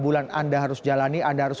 bulan anda harus jalani anda harus